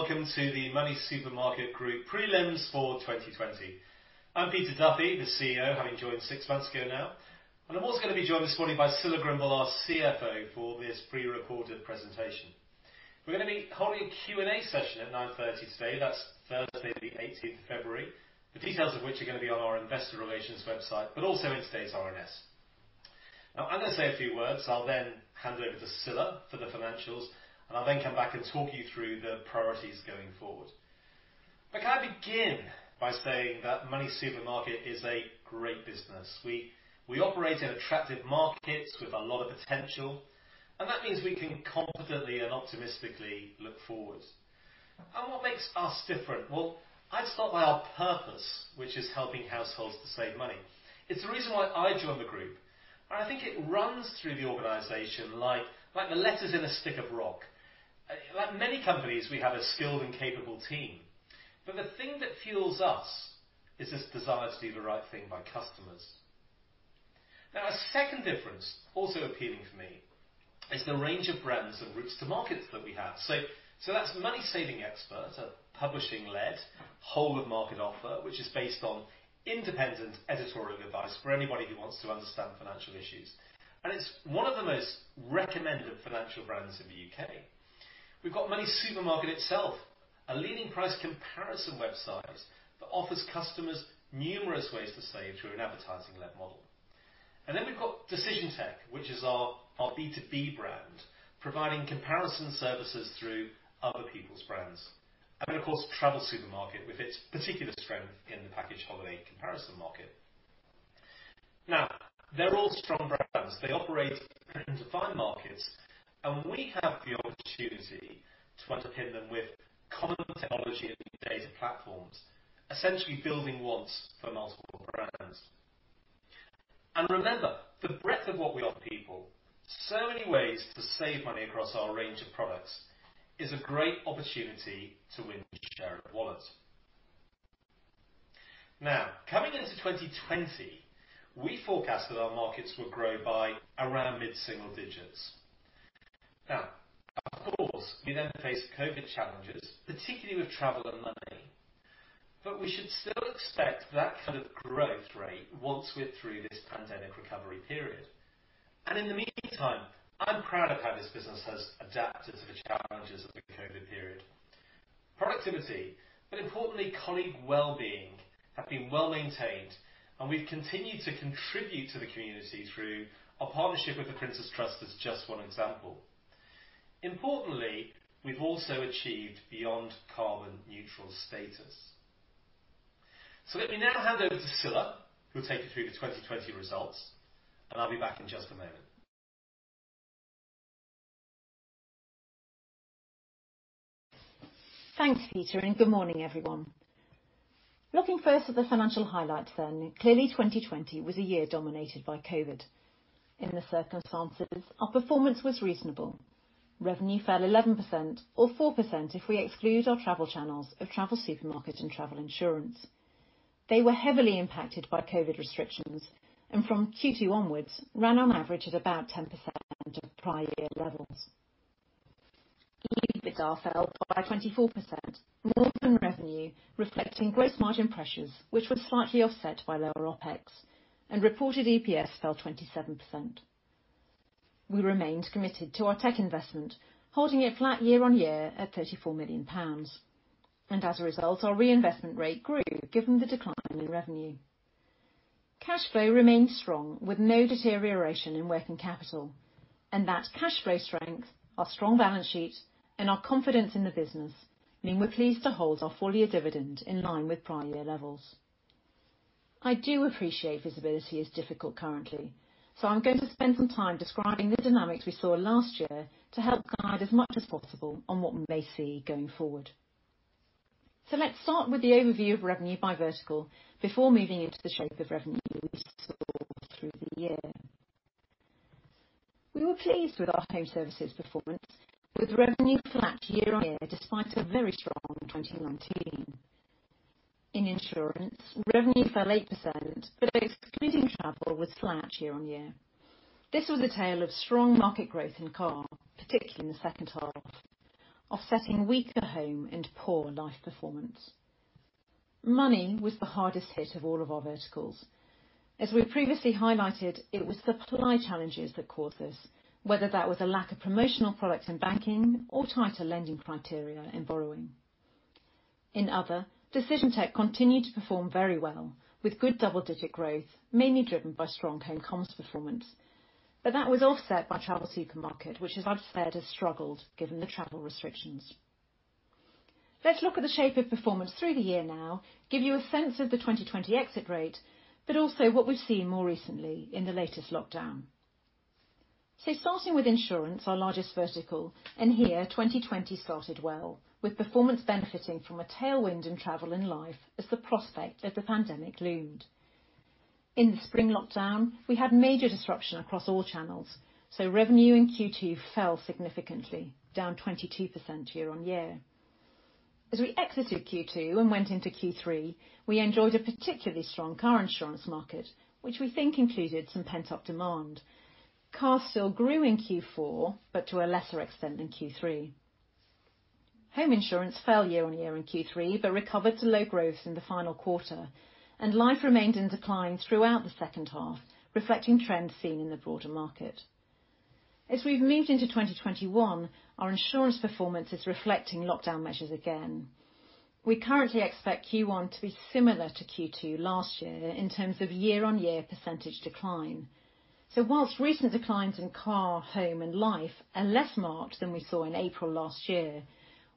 Hello, welcome to the MONY Group plc prelims for 2020. I'm Peter Duffy, the CEO, having joined six months ago now. I'm also going to be joined this morning by Scilla Grimble, CFO, for this pre-recorded presentation. We're going to be holding a Q&A session at 9:30 A.M. today. That's Thursday the 18th of February, the details of which are going to be on our investor relations website, but also in today's RNS. I'm going to say a few words. I'll then hand over to Scilla for the financials, and I'll then come back and talk you through the priorities going forward. Can I begin by saying that MoneySuperMarket is a great business. We operate in attractive markets with a lot of potential, and that means we can confidently and optimistically look forward. What makes us different? Well, I'd start by our purpose, which is helping households to save money. It's the reason why I joined the group, and I think it runs through the organization like the letters in a stick of rock. Like many companies, we have a skilled and capable team. The thing that fuels us is this desire to do the right thing by customers. Now, a second difference also appealing for me is the range of brands and routes to markets that we have. That's MoneySavingExpert, a publishing-led whole of market offer, which is based on independent editorial advice for anybody who wants to understand financial issues. It's one of the most recommended financial brands in the U.K. We've got MoneySuperMarket itself, a leading price comparison website that offers customers numerous ways to save through an advertising-led model. We've got Decision Tech, which is our B2B brand, providing comparison services through other people's brands. Of course, TravelSupermarket with its particular strength in the package holiday comparison market. They're all strong brands. They operate in defined markets, and we have the opportunity to underpin them with common technology and data platforms, essentially building once for multiple brands. The breadth of what we offer people, so many ways to save money across our range of products, is a great opportunity to win share of wallet. Coming into 2020, we forecasted our markets would grow by around mid-single digits. Of course, we then faced COVID challenges, particularly with travel and money. We should still expect that kind of growth rate once we're through this pandemic recovery period. In the meantime, I'm proud of how this business has adapted to the challenges of the COVID period. Productivity, but importantly, colleague wellbeing, have been well-maintained, and we've continued to contribute to the community through our partnership with The Prince's Trust as just one example. Importantly, we've also achieved beyond carbon neutral status. Let me now hand over to Scilla, who'll take you through the 2020 results, and I'll be back in just a moment. Thanks, Peter. Good morning, everyone. Looking first at the financial highlights. Clearly, 2020 was a year dominated by COVID. In the circumstances, our performance was reasonable. Revenue fell 11%, or 4% if we exclude our travel channels of TravelSupermarket and travel insurance. They were heavily impacted by COVID restrictions, and from Q2 onwards, ran on average at about 10% of prior year levels. EBITDA fell by 24%, more than revenue reflecting gross margin pressures, which were slightly offset by lower OPEX, and reported EPS fell 27%. We remained committed to our tech investment, holding it flat year-on-year at 34 million pounds. As a result, our reinvestment rate grew given the decline in revenue. Cash flow remained strong with no deterioration in working capital. That cash flow strength, our strong balance sheet, and our confidence in the business mean we're pleased to hold our full-year dividend in line with prior year levels. I do appreciate visibility is difficult currently. I'm going to spend some time describing the dynamics we saw last year to help guide as much as possible on what we may see going forward. Let's start with the overview of revenue by vertical before moving into the shape of revenue we saw through the year. We were pleased with our home services performance with revenue flat year-on-year despite a very strong 2019. In insurance, revenue fell 8%, but excluding travel was flat year-on-year. This was a tale of strong market growth in car, particularly in the second half, offsetting weaker home and poor life performance. Money was the hardest hit of all of our verticals. As we previously highlighted, it was supply challenges that caused this, whether that was a lack of promotional products in banking or tighter lending criteria in borrowing. In other, Decision Tech continued to perform very well with good double-digit growth, mainly driven by strong home comms performance. That was offset by TravelSupermarket, which as I've said, has struggled given the travel restrictions. Let's look at the shape of performance through the year now, give you a sense of the 2020 exit rate, but also what we've seen more recently in the latest lockdown. Starting with insurance, our largest vertical, and here, 2020 started well, with performance benefiting from a tailwind in travel and life as the prospect of the pandemic loomed. In the spring lockdown, we had major disruption across all channels, so revenue in Q2 fell significantly, down 22% year-on-year. As we exited Q2 and went into Q3, we enjoyed a particularly strong car insurance market, which we think included some pent-up demand. Cars still grew in Q4, but to a lesser extent than Q3. Home insurance fell year-on-year in Q3, but recovered to low growth in the final quarter, and life remained in decline throughout the second half, reflecting trends seen in the broader market. As we've moved into 2021, our insurance performance is reflecting lockdown measures again. We currently expect Q1 to be similar to Q2 last year in terms of year-on-year % decline. Whilst recent declines in car, home, and life are less marked than we saw in April last year,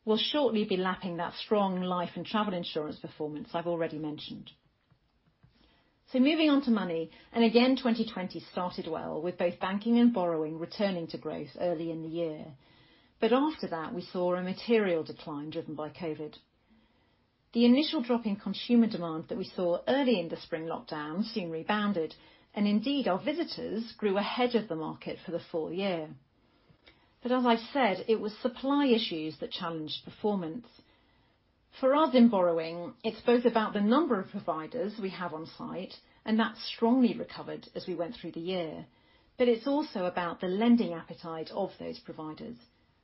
we'll shortly be lapping that strong life and travel insurance performance I've already mentioned. Moving on to Money, and again, 2020 started well with both banking and borrowing returning to growth early in the year. After that, we saw a material decline driven by COVID. The initial drop in consumer demand that we saw early in the spring lockdown soon rebounded, and indeed, our visitors grew ahead of the market for the full year. As I've said, it was supply issues that challenged performance. For us in borrowing, it's both about the number of providers we have on site, and that strongly recovered as we went through the year. It's also about the lending appetite of those providers.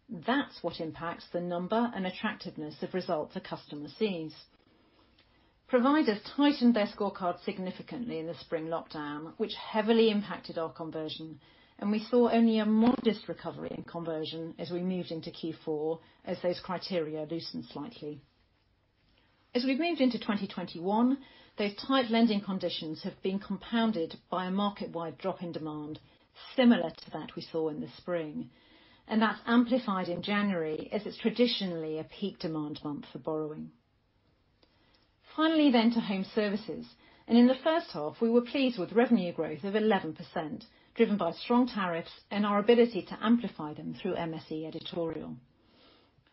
That's what impacts the number and attractiveness of results a customer sees. Providers tightened their scorecard significantly in the spring lockdown, which heavily impacted our conversion, and we saw only a modest recovery in conversion as we moved into Q4 as those criteria loosened slightly. As we've moved into 2021, those tight lending conditions have been compounded by a market-wide drop in demand, similar to that we saw in the spring, and that's amplified in January, as it's traditionally a peak demand month for borrowing. Finally, to home services. In the first half, we were pleased with revenue growth of 11%, driven by strong tariffs and our ability to amplify them through MSE editorial.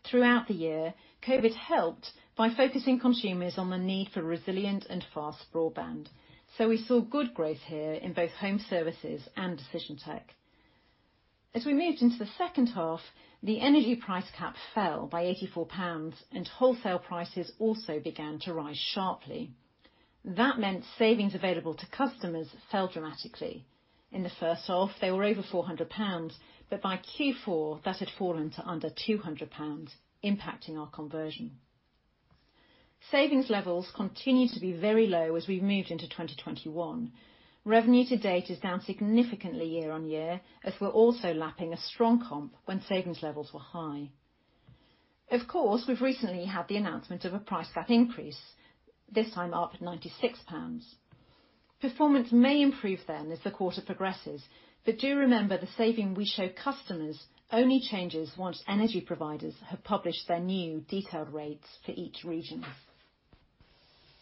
Throughout the year, COVID helped by focusing consumers on the need for resilient and fast broadband. We saw good growth here in both home services and Decision Tech. As we moved into the second half, the energy price cap fell by 84 pounds. Wholesale prices also began to rise sharply. That meant savings available to customers fell dramatically. In the first half, they were over 400 pounds. By Q4, that had fallen to under 200 pounds, impacting our conversion. Savings levels continue to be very low as we've moved into 2021. Revenue to date is down significantly year-on-year. We're also lapping a strong comp when savings levels were high. Of course, we've recently had the announcement of a price cap increase, this time up 96 pounds. Performance may improve then as the quarter progresses. Do remember the saving we show customers only changes once energy providers have published their new detailed rates for each region.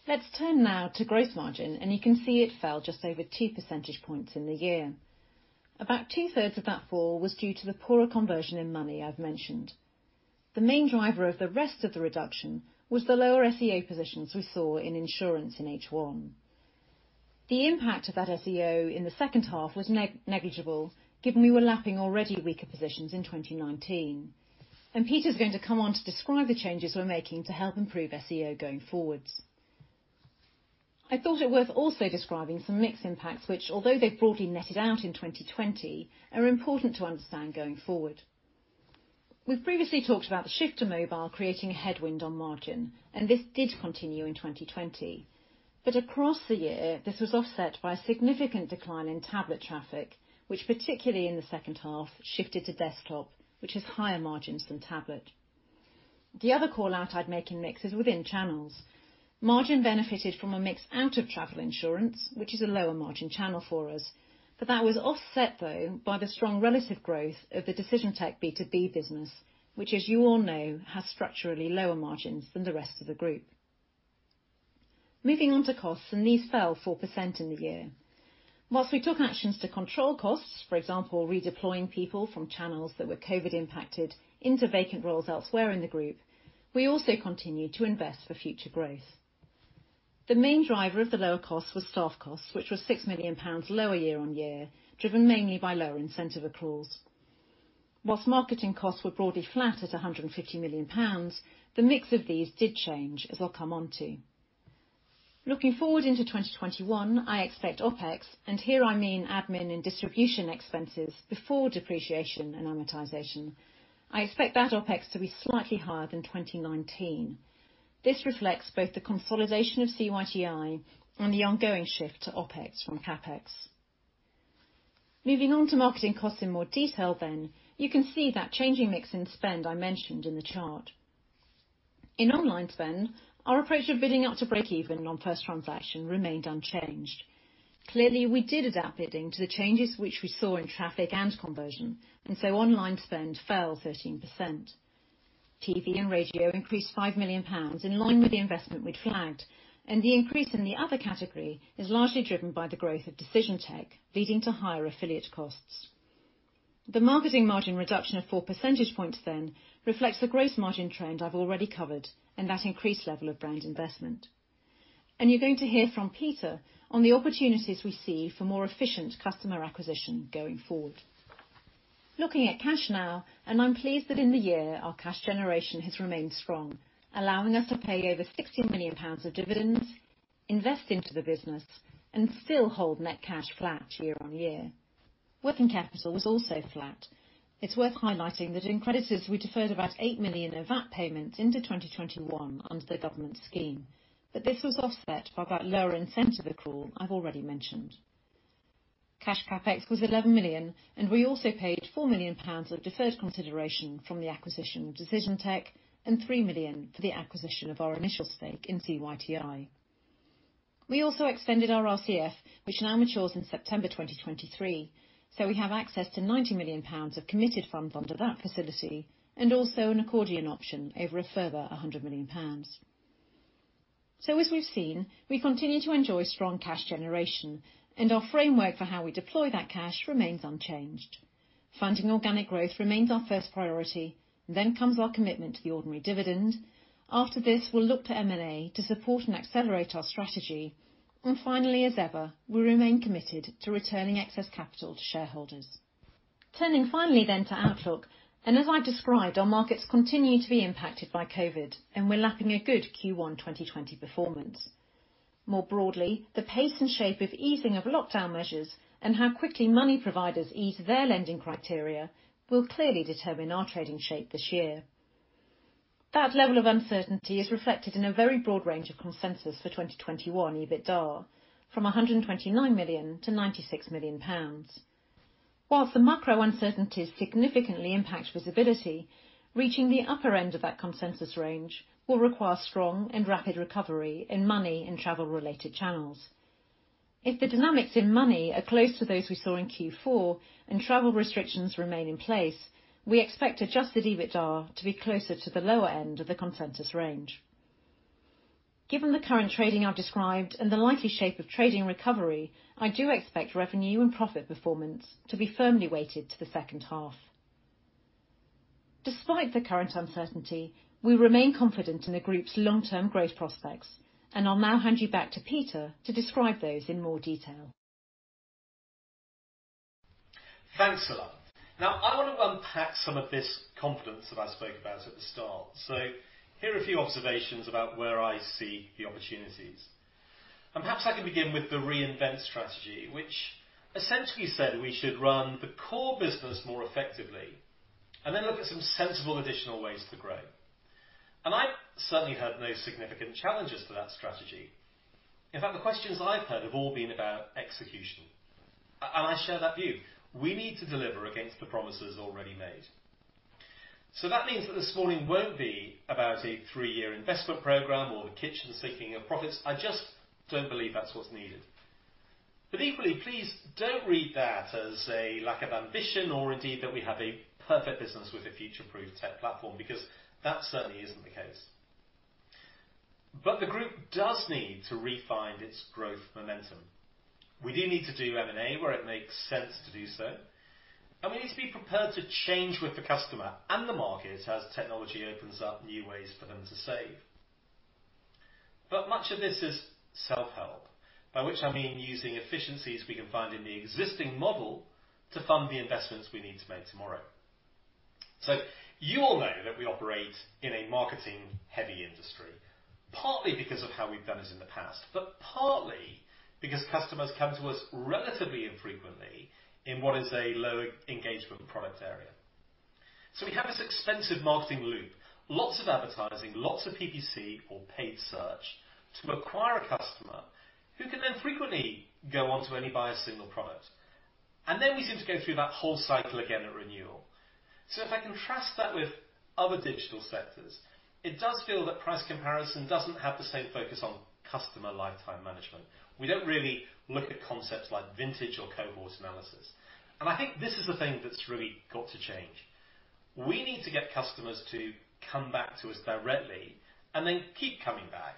Let's turn now to gross margin. You can see it fell just over two percentage points in the year. About two-thirds of that fall was due to the poorer conversion in money I've mentioned. The main driver of the rest of the reduction was the lower SEO positions we saw in insurance in H1. The impact of that SEO in the second half was negligible, given we were lapping already weaker positions in 2019. Peter's going to come on to describe the changes we're making to help improve SEO going forwards. I thought it worth also describing some mix impacts which, although they've broadly netted out in 2020, are important to understand going forward. We've previously talked about the shift to mobile creating a headwind on margin, and this did continue in 2020. Across the year, this was offset by a significant decline in tablet traffic, which particularly in the second half shifted to desktop, which has higher margins than tablet. The other call-out I'd make in mix is within channels. Margin benefited from a mix out of travel insurance, which is a lower margin channel for us, but that was offset, though, by the strong relative growth of the Decision Tech B2B business, which as you all know, has structurally lower margins than the rest of the group. Moving on to costs, these fell 4% in the year. Whilst we took actions to control costs, for example, redeploying people from channels that were COVID impacted into vacant roles elsewhere in the group, we also continued to invest for future growth. The main driver of the lower cost was staff costs, which were 6 million pounds lower year on year, driven mainly by lower incentive accruals. Whilst marketing costs were broadly flat at 150 million pounds, the mix of these did change, as I'll come on to. Looking forward into 2021, I expect Opex, and here I mean admin and distribution expenses before depreciation and amortization. I expect that Opex to be slightly higher than 2019. This reflects both the consolidation of CYTI and the ongoing shift to Opex from CapEx. Moving on to marketing costs in more detail then, you can see that changing mix in spend I mentioned in the chart. In online spend, our approach of bidding up to break even on first transaction remained unchanged. Clearly, we did adapt bidding to the changes which we saw in traffic and conversion, and so online spend fell 13%. TV and radio increased 5 million pounds in line with the investment we'd flagged, and the increase in the other category is largely driven by the growth of Decision Tech, leading to higher affiliate costs. The marketing margin reduction of four percentage points reflects the gross margin trend I've already covered and that increased level of brand investment. You're going to hear from Peter on the opportunities we see for more efficient customer acquisition going forward. Looking at cash now, I'm pleased that in the year our cash generation has remained strong, allowing us to pay over 60 million pounds of dividends, invest into the business, and still hold net cash flat year on year. Working capital was also flat. It's worth highlighting that in creditors we deferred about 8 million of VAT payments into 2021 under the government scheme, this was offset by that lower incentive accrual I've already mentioned. Cash CapEx was 11 million, we also paid 4 million pounds of deferred consideration from the acquisition of Decision Tech and 3 million for the acquisition of our initial stake in CYTI. We also extended our RCF, which now matures in September 2023. We have access to 90 million pounds of committed funds under that facility and also an accordion option over a further 100 million pounds. As we've seen, we continue to enjoy strong cash generation, and our framework for how we deploy that cash remains unchanged. Funding organic growth remains our first priority, then comes our commitment to the ordinary dividend. After this, we'll look to M&A to support and accelerate our strategy. Finally, as ever, we remain committed to returning excess capital to shareholders. Turning finally then to outlook, as I described, our markets continue to be impacted by COVID, and we're lapping a good Q1 2020 performance. More broadly, the pace and shape of easing of lockdown measures and how quickly money providers ease their lending criteria will clearly determine our trading shape this year. That level of uncertainty is reflected in a very broad range of consensus for 2021 EBITDA, from 129 million to 96 million pounds. While the macro uncertainties significantly impact visibility, reaching the upper end of that consensus range will require strong and rapid recovery in money and travel-related channels. If the dynamics in money are close to those we saw in Q4 and travel restrictions remain in place, we expect adjusted EBITDA to be closer to the lower end of the consensus range. Given the current trading I've described and the likely shape of trading recovery, I do expect revenue and profit performance to be firmly weighted to the second half. Despite the current uncertainty, we remain confident in the group's long-term growth prospects, and I'll now hand you back to Peter to describe those in more detail. Thanks, Scilla. I want to unpack some of this confidence that I spoke about at the start. Here are a few observations about where I see the opportunities. Perhaps I can begin with the Reinvent strategy, which essentially said we should run the core business more effectively and then look at some sensible additional ways to grow. I certainly heard no significant challenges to that strategy. In fact, the questions that I've heard have all been about execution, and I share that view. We need to deliver against the promises already made. That means that this morning won't be about a three-year investment program or the kitchen sinking of profits. I just don't believe that's what's needed. Equally, please don't read that as a lack of ambition or indeed that we have a perfect business with a future-proof tech platform, because that certainly isn't the case. The group does need to refind its growth momentum. We do need to do M&A where it makes sense to do so, and we need to be prepared to change with the customer and the market as technology opens up new ways for them to save. Much of this is self-help, by which I mean using efficiencies we can find in the existing model to fund the investments we need to make tomorrow. You all know that we operate in a marketing-heavy industry, partly because of how we've done this in the past, but partly because customers come to us relatively infrequently in what is a low-engagement product area. We have this expensive marketing loop, lots of advertising, lots of PPC or paid search to acquire a customer who can then frequently go on to only buy a single product. Then we seem to go through that whole cycle again at renewal. If I contrast that with other digital sectors, it does feel that price comparison doesn't have the same focus on customer lifetime management. We don't really look at concepts like vintage or cohort analysis. I think this is the thing that's really got to change. We need to get customers to come back to us directly and then keep coming back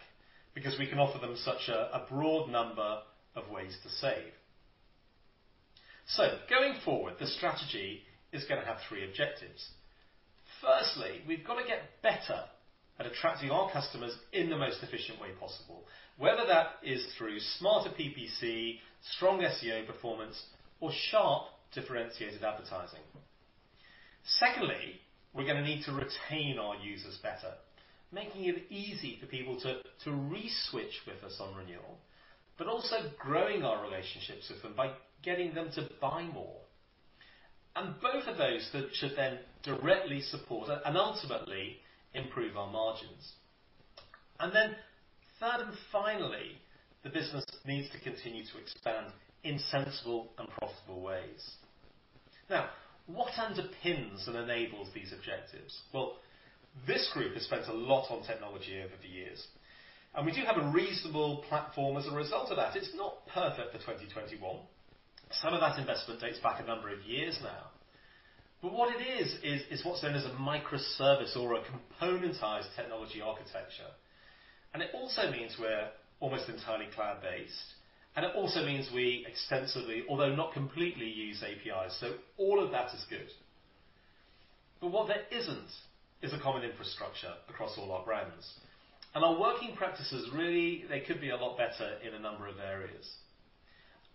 because we can offer them such a broad number of ways to save. Going forward, the strategy is going to have three objectives. We've got to get better at attracting our customers in the most efficient way possible, whether that is through smarter PPC, strong SEO performance, or sharp differentiated advertising. We're going to need to retain our users better, making it easy for people to reswitch with us on renewal, but also growing our relationships with them by getting them to buy more. Both of those should directly support and ultimately improve our margins. Third and finally, the business needs to continue to expand in sensible and profitable ways. What underpins and enables these objectives? Well, this group has spent a lot on technology over the years, and we do have a reasonable platform as a result of that. It's not perfect for 2021. Some of that investment dates back a number of years now. What it is what's known as a microservice or a componentized technology architecture. It also means we're almost entirely cloud-based, and it also means we extensively, although not completely, use APIs. All of that is good. What there isn't, is a common infrastructure across all our brands. Our working practices really, they could be a lot better in a number of areas.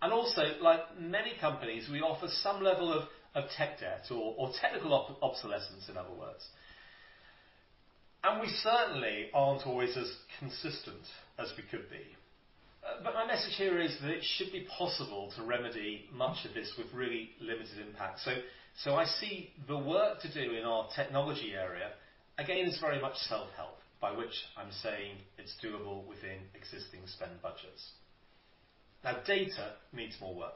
Also, like many companies, we offer some level of tech debt or technical obsolescence, in other words. We certainly aren't always as consistent as we could be. My message here is that it should be possible to remedy much of this with really limited impact. I see the work to do in our technology area, again, as very much self-help, by which I'm saying it's doable within existing spend budgets. Now data needs more work.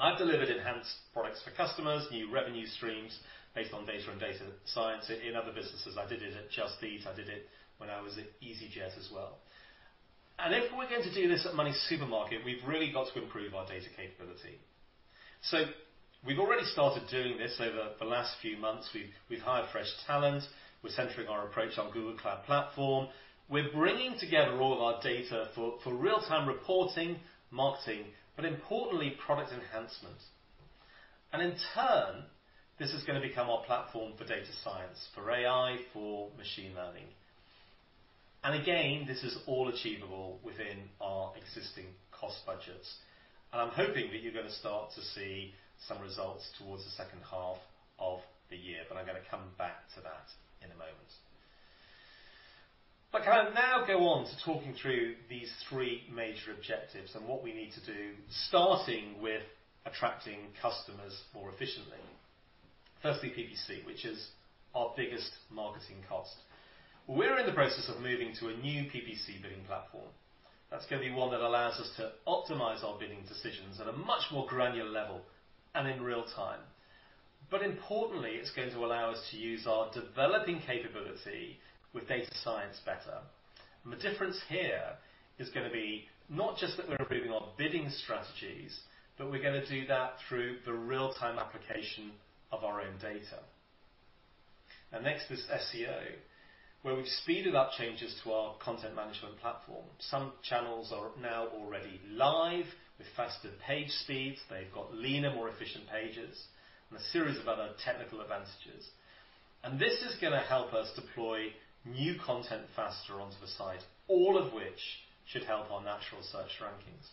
I've delivered enhanced products for customers, new revenue streams based on data and data science in other businesses. I did it at Just Eat. I did it when I was at easyJet as well. If we're going to do this at MoneySuperMarket, we've really got to improve our data capability. We've already started doing this over the last few months. We've hired fresh talent. We're centering our approach on Google Cloud Platform. We're bringing together all of our data for real-time reporting, marketing, but importantly, product enhancement. In turn, this is going to become our platform for data science, for AI, for machine learning. Again, this is all achievable within our existing cost budgets. I'm hoping that you're going to start to see some results towards the second half of the year, but I'm going to come back to that in a moment. Can I now go on to talking through these three major objectives and what we need to do, starting with attracting customers more efficiently? Firstly, PPC, which is our biggest marketing cost. We're in the process of moving to a new PPC bidding platform. That's going to be one that allows us to optimize our bidding decisions at a much more granular level and in real time. Importantly, it's going to allow us to use our developing capability with data science better. The difference here is going to be not just that we're improving our bidding strategies, but we're going to do that through the real-time application of our own data. Next was SEO, where we've speeded up changes to our content management platform. Some channels are now already live with faster page speeds. They've got leaner, more efficient pages and a series of other technical advantages. This is going to help us deploy new content faster onto the site, all of which should help our natural search rankings.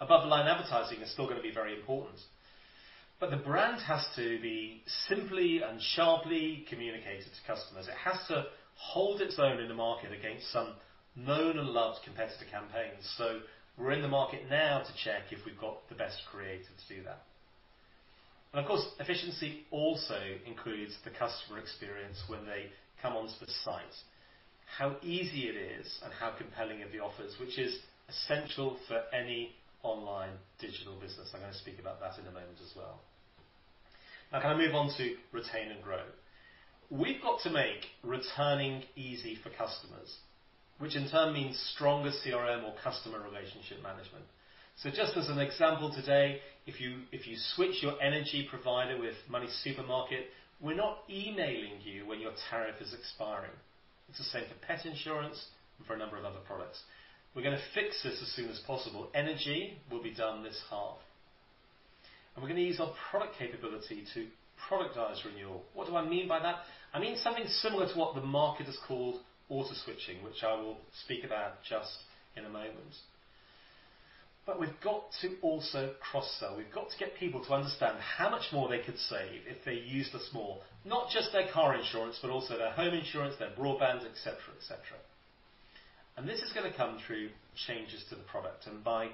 Above the line advertising is still going to be very important, but the brand has to be simply and sharply communicated to customers. It has to hold its own in the market against some known and loved competitor campaigns. We're in the market now to check if we've got the best creative to do that. Of course, efficiency also includes the customer experience when they come onto the site. How easy it is and how compelling are the offers, which is essential for any online digital business. I'm going to speak about that in a moment as well. Can I move on to retain and grow? We've got to make returning easy for customers, which in turn means stronger CRM or customer relationship management. Just as an example today, if you switch your energy provider with MoneySuperMarket, we're not emailing you when your tariff is expiring. It's the same for pet insurance and for a number of other products. We're going to fix this as soon as possible. Energy will be done this half. We're going to use our product capability to productize renewal. What do I mean by that? I mean something similar to what the market has called auto-switching, which I will speak about just in a moment. We've got to also cross-sell. We've got to get people to understand how much more they could save if they used us more, not just their car insurance, but also their home insurance, their broadband, et cetera. This is going to come through changes to the product and by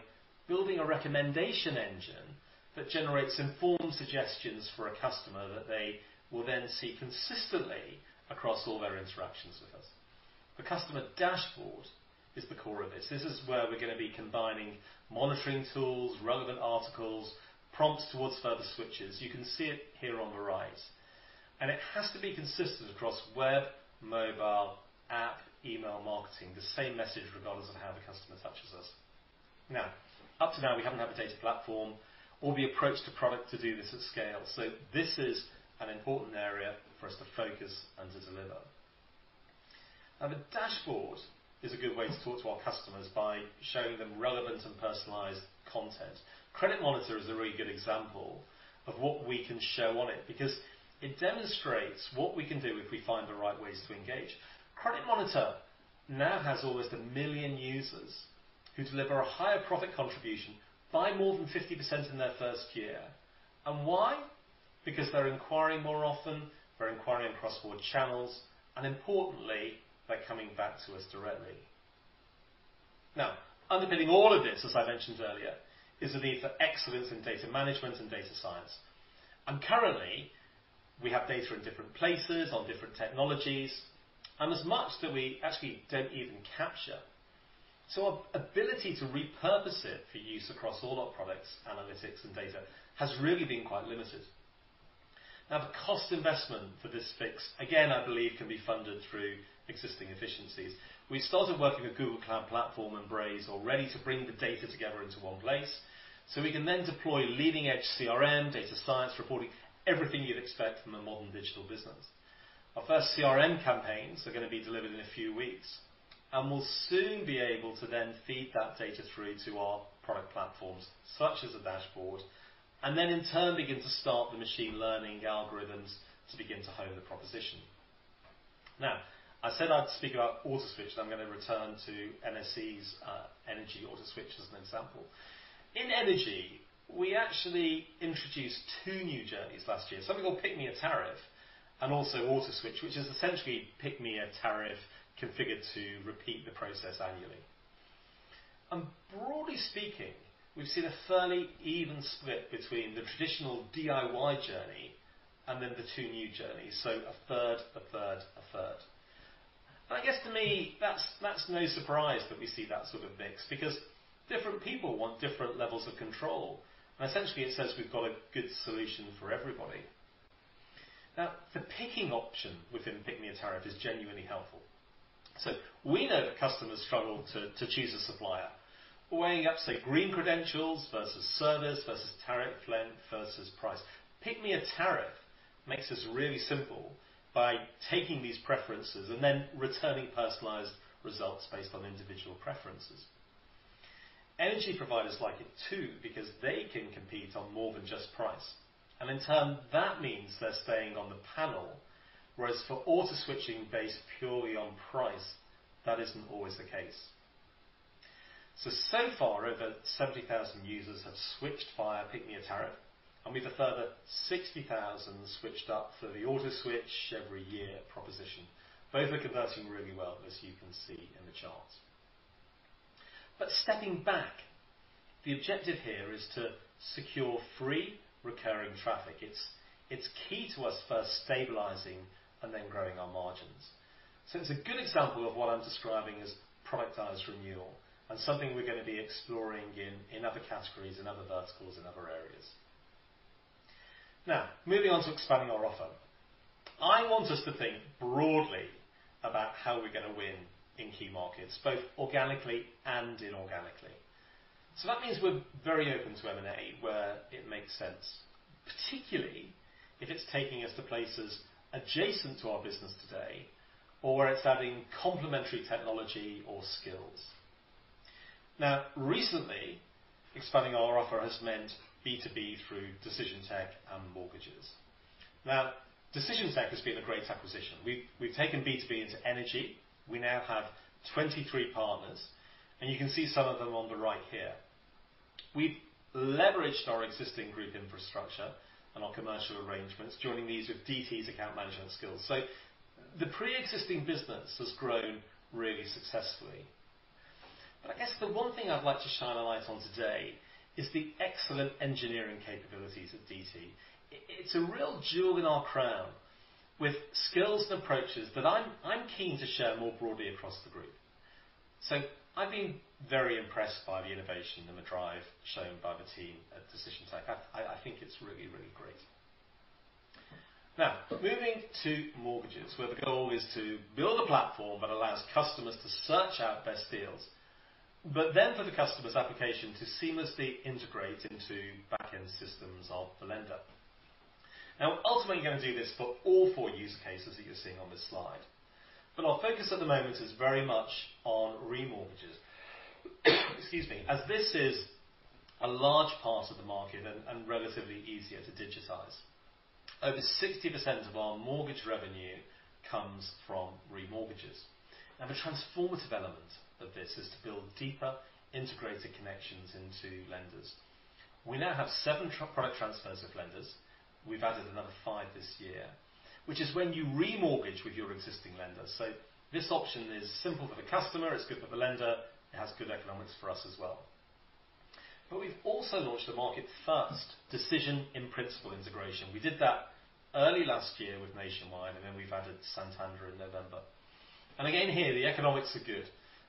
building a recommendation engine that generates informed suggestions for a customer that they will then see consistently across all their interactions with us. The customer dashboard is the core of this. This is where we're going to be combining monitoring tools, relevant articles, prompts towards further switches. You can see it here on the right. It has to be consistent across web, mobile, app, email marketing, the same message regardless of how the customer touches us. Up to now, we haven't had the data platform or the approach to product to do this at scale. This is an important area for us to focus and to deliver. The dashboard is a good way to talk to our customers by showing them relevant and personalized content. Credit Monitor is a really good example of what we can show on it because it demonstrates what we can do if we find the right ways to engage. Credit Monitor now has almost 1 million users who deliver a higher profit contribution by more than 50% in their first year. Why? Because they're inquiring more often, they're inquiring across more channels, and importantly, they're coming back to us directly. Underpinning all of this, as I mentioned earlier, is the need for excellence in data management and data science. Currently, we have data in different places on different technologies, and as much that we actually don't even capture. Our ability to repurpose it for use across all our products, analytics, and data has really been quite limited. The cost investment for this fix, again, I believe can be funded through existing efficiencies. We started working with Google Cloud Platform and Braze already to bring the data together into one place. We can then deploy leading edge CRM, data science, reporting, everything you'd expect from a modern digital business. Our first CRM campaigns are going to be delivered in a few weeks, and we'll soon be able to then feed that data through to our product platforms, such as a dashboard, and then in turn begin to start the machine learning algorithms to begin to hone the proposition. Now, I said I'd speak about auto-switch, and I'm going to return to MSE's energy auto-switch as an example. In energy, we actually introduced two new journeys last year. Something called Pick Me a Tariff, and also auto-switch, which is essentially Pick Me a Tariff configured to repeat the process annually. Broadly speaking, we've seen a fairly even split between the traditional DIY journey and then the two new journeys. A third. I guess to me, that's no surprise that we see that sort of mix because different people want different levels of control, and essentially, it says we've got a good solution for everybody. The picking option within Pick Me a Tariff is genuinely helpful. We know that customers struggle to choose a supplier, weighing up, say, green credentials versus service versus tariff length versus price. Pick Me a Tariff makes this really simple by taking these preferences and then returning personalized results based on individual preferences. Energy providers like it too, because they can compete on more than just price. In turn, that means they're staying on the panel, whereas for auto-switching based purely on price, that isn't always the case. So far, over 70,000 users have switched via Pick Me a Tariff, and we've a further 60,000 switched up for the auto-switch every year proposition. Both are converting really well, as you can see in the chart. Stepping back, the objective here is to secure free recurring traffic. It's key to us first stabilizing and then growing our margins. It's a good example of what I'm describing as productized renewal and something we're going to be exploring in other categories, in other verticals, in other areas. Moving on to expanding our offer. I want us to think broadly about how we're going to win in key markets, both organically and inorganically. That means we're very open to M&A where it makes sense, particularly if it's taking us to places adjacent to our business today or it's adding complementary technology or skills. Recently, expanding our offer has meant B2B through Decision Tech and mortgages. Decision Tech has been a great acquisition. We've taken B2B into energy. We now have 23 partners, and you can see some of them on the right here. We've leveraged our existing group infrastructure and our commercial arrangements, joining these with DT's account management skills. The preexisting business has grown really successfully. I guess the one thing I'd like to shine a light on today is the excellent engineering capabilities of DT. It's a real jewel in our crown with skills and approaches that I'm keen to share more broadly across the group. I've been very impressed by the innovation and the drive shown by the team at Decision Tech. I think it's really great. Moving to mortgages, where the goal is to build a platform that allows customers to search out best deals, for the customer's application to seamlessly integrate into backend systems of the lender. Ultimately, we're going to do this for all four use cases that you're seeing on this slide. Our focus at the moment is very much on remortgages. Excuse me. As this is a large part of the market and relatively easier to digitize. Over 60% of our mortgage revenue comes from remortgages. The transformative element of this is to build deeper integrated connections into lenders. We now have seven product transfers with lenders. We've added another five this year, which is when you remortgage with your existing lender. This option is simple for the customer, it's good for the lender, it has good economics for us as well. We've also launched a market-first decision in principle integration. We did that early last year with Nationwide, and then we've added Santander in November. Again, here, the economics are good,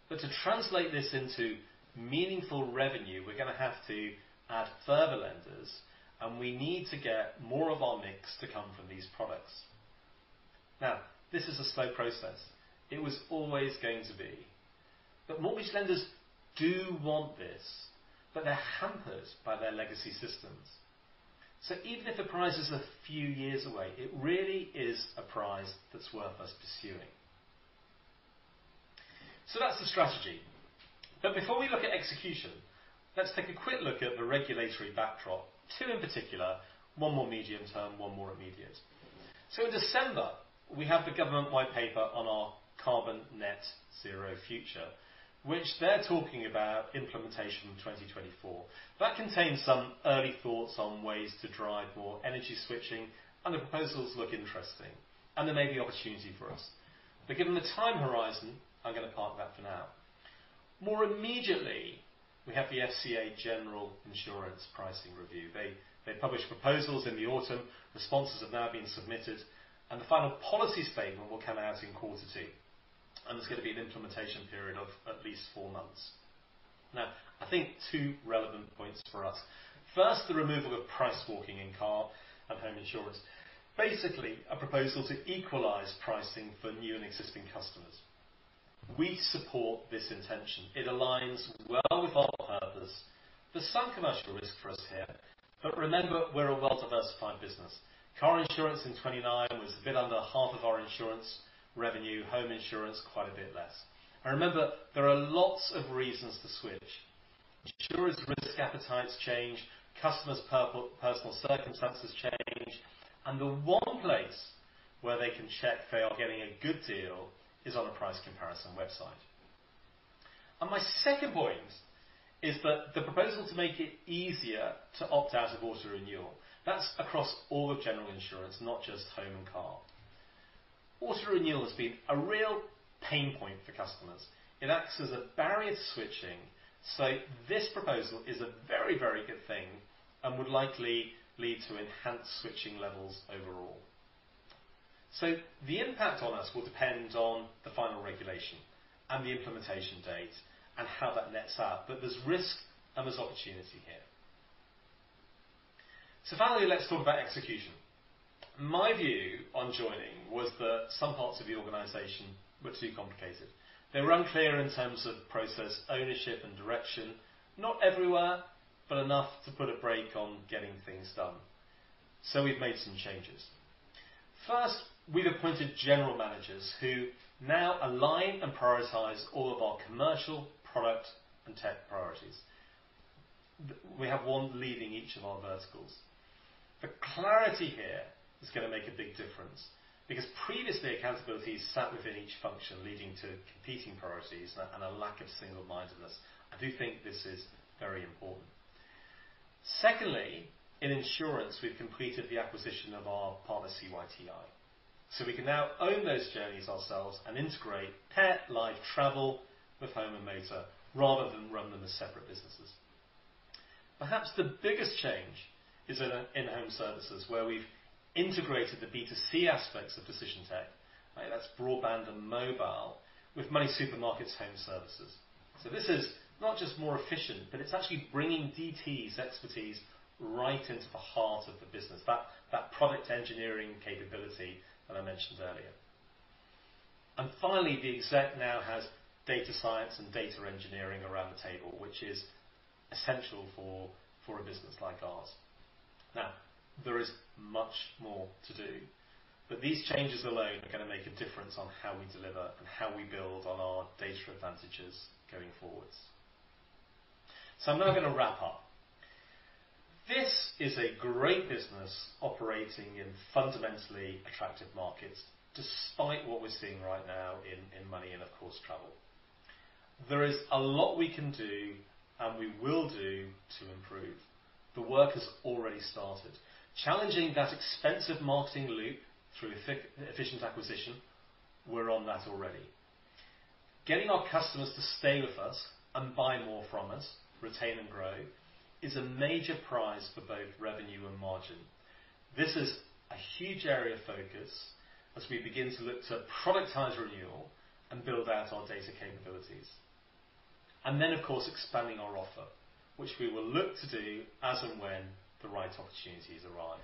but to translate this into meaningful revenue, we're going to have to add further lenders, and we need to get more of our mix to come from these products. This is a slow process. It was always going to be. Mortgage lenders do want this, but they're hampered by their legacy systems. Even if the prize is a few years away, it really is a prize that's worth us pursuing. That's the strategy. Before we look at execution, let's take a quick look at the regulatory backdrop. Two in particular, one more medium-term, one more immediate. In December, we have the government white paper on our carbon net zero future, which they're talking about implementation in 2024. That contains some early thoughts on ways to drive more energy switching, and the proposals look interesting. There may be opportunity for us. Given the time horizon, I'm going to park that for now. More immediately, we have the FCA General Insurance Pricing Review. They published proposals in the autumn. The responses have now been submitted, and the final policies paper will come out in Quarter 2, and there's going to be an implementation period of at least four months. I think two relevant points for us. First, the removal of price walking in car and home insurance. Basically, a proposal to equalize pricing for new and existing customers. We support this intention. It aligns well with our purpose. There's some commercial risk for us here, remember, we're a well-diversified business. Car insurance in '19 was a bit under half of our insurance revenue, home insurance, quite a bit less. Remember, there are lots of reasons to switch. Insurers' risk appetites change, customers' personal circumstances change, and the one place where they can check they are getting a good deal is on a price comparison website. My second point is that the proposal to make it easier to opt out of auto-renewal, that's across all of general insurance, not just home and car. Auto-renewal has been a real pain point for customers. It acts as a barrier to switching. This proposal is a very good thing and would likely lead to enhanced switching levels overall. The impact on us will depend on the final regulation and the implementation date and how that nets out. There's risk and there's opportunity here. Finally, let's talk about execution. My view on joining was that some parts of the organization were too complicated. They were unclear in terms of process, ownership, and direction. Not everywhere, but enough to put a brake on getting things done. We've made some changes. First, we've appointed general managers who now align and prioritize all of our commercial, product, and tech priorities. We have one leading each of our verticals. The clarity here is going to make a big difference because previously, accountability sat within each function, leading to competing priorities and a lack of single-mindedness. I do think this is very important. Secondly, in insurance, we've completed the acquisition of our partner, CYTI. We can now own those journeys ourselves and integrate pet, life, travel with home and motor rather than run them as separate businesses. Perhaps the biggest change is in home services, where we've integrated the B2C aspects of Decision Tech, that's broadband and mobile, with MoneySuperMarket's home services. This is not just more efficient, but it's actually bringing DT's expertise right into the heart of the business, that product engineering capability that I mentioned earlier. Finally, the exec now has data science and data engineering around the table, which is essential for a business like ours. Now, there is much more to do, but these changes alone are going to make a difference on how we deliver and how we build on our data advantages going forwards. I'm now going to wrap up. This is a great business operating in fundamentally attractive markets, despite what we're seeing right now in MONY and, of course, travel. There is a lot we can do, and we will do to improve. The work has already started. Challenging that expensive marketing loop through efficient acquisition, we're on that already. Getting our customers to stay with us and buy more from us, retain and grow, is a major prize for both revenue and margin. This is a huge area of focus as we begin to look to productize renewal and build out our data capabilities. Then, of course, expanding our offer, which we will look to do as and when the right opportunities arrive.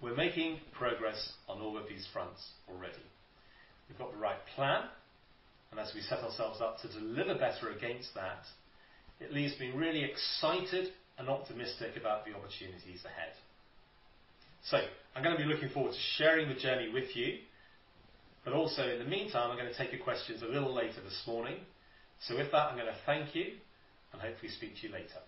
We're making progress on all of these fronts already. We've got the right plan, and as we set ourselves up to deliver better against that, it leaves me really excited and optimistic about the opportunities ahead. I'm going to be looking forward to sharing the journey with you, but also in the meantime, I'm going to take your questions a little later this morning. With that, I'm going to thank you and hopefully speak to you later.